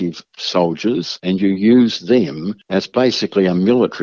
dan menggunakannya sebagai sebuah pasukan militer